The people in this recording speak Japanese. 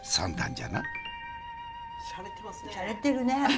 しゃれてるね。